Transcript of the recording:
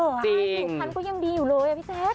หนูพันธุ์ก็ยังดีอยู่เลยอ่ะพี่แจ๊ด